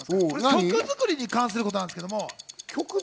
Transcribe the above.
曲作りに関することなんですけど。